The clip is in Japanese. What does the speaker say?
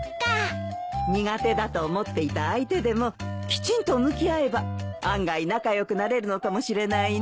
苦手だと思っていた相手でもきちんと向き合えば案外仲良くなれるのかもしれないね。